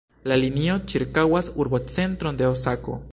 La linio ĉirkaŭas urbocentron de Osako.